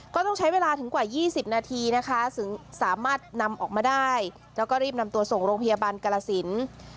ก็ต้องใช้เวลาถึงกว่า๒๐นาทีนะคะถึงสามารถนำออกมาได้แล้วก็รีบนำตัวส่งโรงพยาบาลกรสิน